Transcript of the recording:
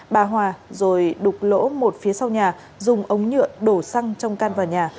bà hòa rồi đục lỗ một phía sau nhà dùng ống nhựa đổ xăng trong can vào nhà